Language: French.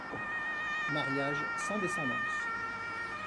Mariage sans descendance.